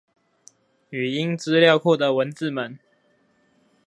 語音資料庫的文字們